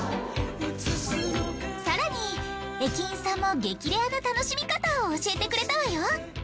更に駅員さんも激レアな楽しみ方を教えてくれたわよ。